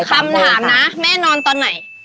คำถามนะแม่นอนตอนไหน